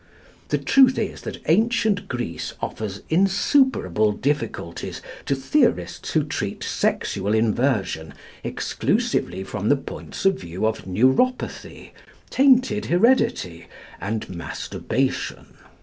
The truth is that ancient Greece offers insuperable difficulties to theorists who treat sexual inversion exclusively from the points of view of neuropathy, tainted heredity, and masturbation.